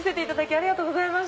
ありがとうございます。